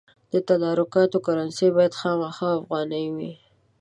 د تدارکاتو کرنسي باید خامخا افغانۍ وي.